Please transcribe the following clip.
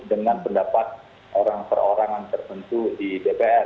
dengan pendapat orang orang yang tertentu di dpr